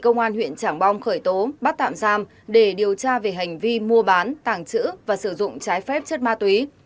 công an huyện trảng bom khởi tố bắt tạm giam để điều tra về hành vi mua bán tàng trữ và sử dụng trái phép chất ma túy